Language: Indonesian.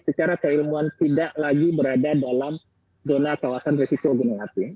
secara keilmuan tidak lagi berada dalam zona kawasan resiko gunung api